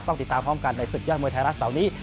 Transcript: ติดตามพร้อมกันในศึกยอดมวยไทยรัฐเสาร์นี้